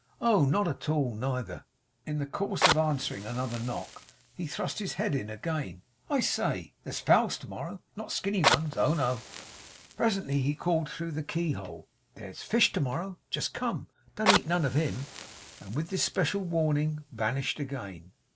Oh! not at all neither!' In the course of answering another knock, he thrust in his head again. 'I say! There's fowls to morrow. Not skinny ones. Oh no!' Presently he called through the key hole: 'There's a fish to morrow. Just come. Don't eat none of him!' And, with this special warning, vanished again.